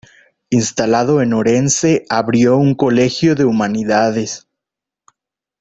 Instalado en Orense, abrió un Colegio de Humanidades.